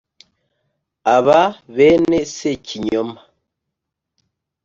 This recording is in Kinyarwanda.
Aba bene Sekinyoma